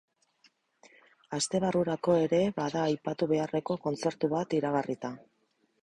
Aste barrurako ere bada aipatu beharreko kontzertu bat iragarrita.